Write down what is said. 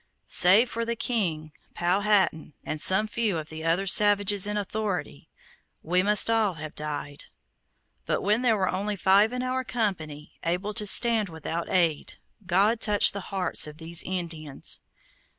Save for the king, Powhatan, and some few of the other savages in authority, we must all have died; but when there were only five in all our company able to stand without aid, God touched the hearts of these Indians.